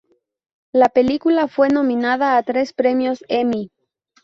La película fue nominada a tres premios Emmy.